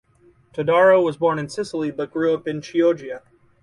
Todaro was born in Sicily but grew up in Chioggia.